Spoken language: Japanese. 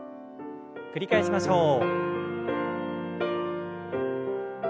繰り返しましょう。